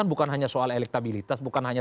bukan hanya soal elektabilitas bukan hanya